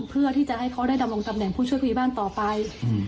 เพื่อที่จะให้เขาได้ดำรงตำแหน่งผู้ช่วยผู้ใหญ่บ้านต่อไป